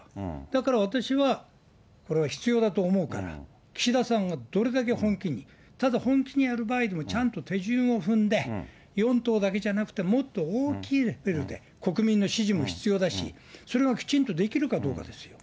だから私は、これは必要だと思うから、岸田さんがどれだけ本気に、ただ本気にやる場合にもちゃんと手順を踏んで、４党だけじゃなくて、もっと大きいレベルで、国民の支持も必要だし、それがきちんとできるかどうかですよ。